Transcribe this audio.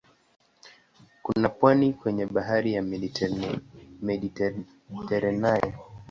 Kuna pwani kwenye bahari ya Mediteranea.